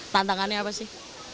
tantangannya apa sih